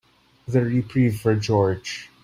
The reprieve for George.